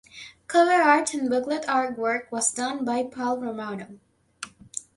Cover art and booklet artwork was done by Paul Romano.